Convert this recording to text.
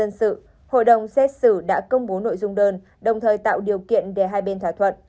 tại phiên tòa hôm nay hội đồng xét xử đã công bố nội dung đơn đồng thời tạo điều kiện để hai bên thỏa thuận